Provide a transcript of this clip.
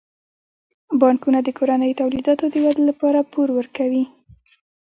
بانکونه د کورنیو تولیداتو د ودې لپاره پور ورکوي.